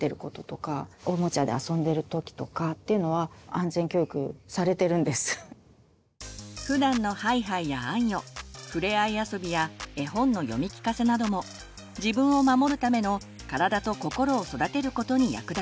皆さんがやってらっしゃるふだんのハイハイやあんよふれあい遊びや絵本の読み聞かせなども自分を守るための体と心を育てることに役立ちます。